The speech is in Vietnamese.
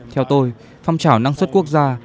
theo tôi phong trào năng suất quốc gia